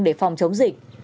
để phòng chống dịch